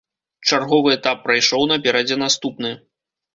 Чарговы этап прайшоў, наперадзе наступны.